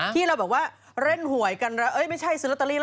ที่เราแบบว่าเล่นหวยกันแล้วไม่ใช่ซื้อลอตเตอรี่